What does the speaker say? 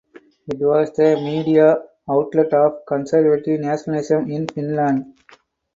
It was the media outlet of conservative nationalism in Finland.